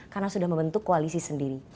karena sudah membentuk koalisi sendiri